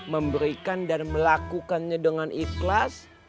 memberikan dan melakukannya dengan ikhlas